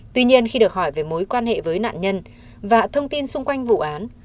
tuy nhiên khi được hỏi về mối quan hệ với nạn nhân và thông tin xung quanh vụ án